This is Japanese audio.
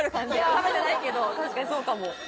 食べてないけど確かにそうかも。